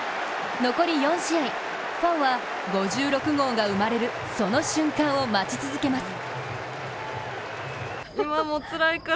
残り４試合、ファンは５６号が生まれるその瞬間を待ち続けます。